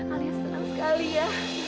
alia senang sekali ya